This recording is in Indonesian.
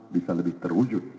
bisa lebih terwujud